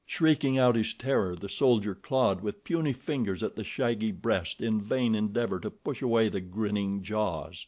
Shrieking out his terror, the soldier clawed with puny fingers at the shaggy breast in vain endeavor to push away the grinning jaws.